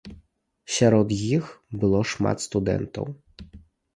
Сярод іх было шмат студэнтаў.